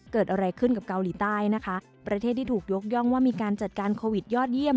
เกิดอะไรขึ้นกับเกาหลีใต้นะคะประเทศที่ถูกยกย่องว่ามีการจัดการโควิดยอดเยี่ยม